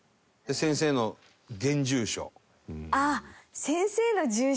先生の住所。